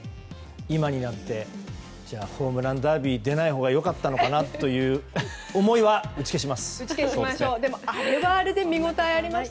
今になってホームランダービー出ないほうが良かったのかなという思いは、打ち消します。